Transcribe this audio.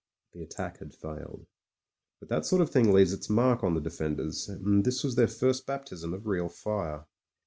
The attack had failed. ... But that sort of thing leaves its mark on the defenders, and this was their first baptism of real fire.